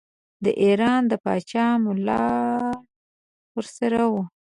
د ایران د پاچا ملاړ ورسره وو.